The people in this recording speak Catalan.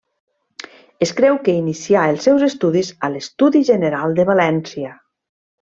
Es creu que inicià els seus estudis a l'Estudi General de València.